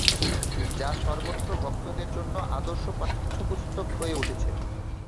যা সর্বত্র ভক্তদের জন্য আদর্শ পাঠ্যপুস্তক হয়ে উঠেছে।